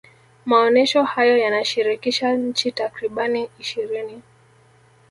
maonesho hayo yanashirikisha nchi takribani ishirini